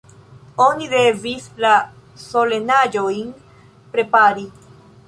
Oni devis la solenaĵojn prepari.